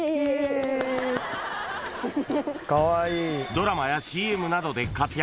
［ドラマやＣＭなどで活躍］